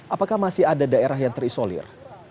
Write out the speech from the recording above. apakah masih ada daerah yang terisolir